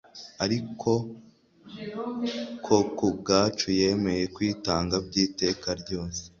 ariko ko ku bwacu yemeye kwitanga by’iteka ryose.